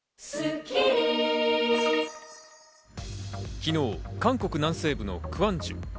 昨日、韓国南西部のクァンジュ。